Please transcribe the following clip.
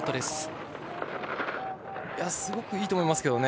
すごくいいと思います。